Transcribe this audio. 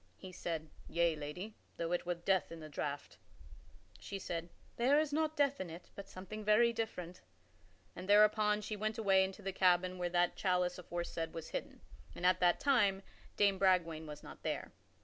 He said, "Yea, lady, though it were death in the draught." She said, "There is not death in it, but something very different," and thereupon she went away into the cabin where that chalice aforesaid was hidden. And at that time Dame Bragwaine was not there.